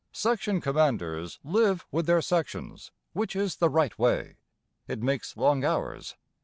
Section commanders live with their sections, which is the right way. It makes long hours.